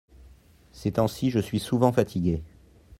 ces temps-ci je suis souvent fatigué.